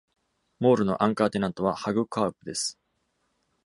モールのアンカーテナントは Hagkaup です。